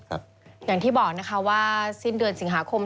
อย่างที่บอกนะคะว่าสิ้นเดือนสิงหาคม